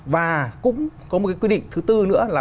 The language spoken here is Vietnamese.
và cũng có một cái quy định thứ tư nữa là